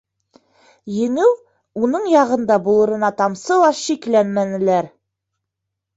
Еңеү уның яғында булырына тамсы ла шикләнмәнеләр.